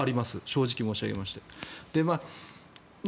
正直に申し上げまして。